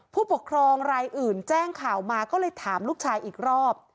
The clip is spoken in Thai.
ผู้ปกครองรายอื่นแจ้งข่าวมาก็เลยถามลูกชายอีกรอบ